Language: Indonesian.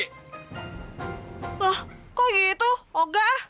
hah kok gitu oga